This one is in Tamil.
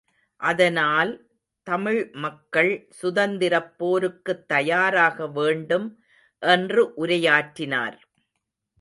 அதனால், தமிழ் மக்கள் சுதந்திரப் போருக்குத் தயாராக வேண்டும் என்று உரையாற்றினார்!